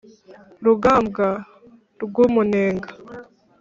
Rugambwa rw'umunega